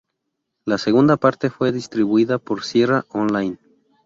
La segunda parte fue distribuida por Sierra On-Line.